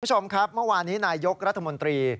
คุณผู้ชมครับเมื่อวานนี้นายยกรัฐมนตรี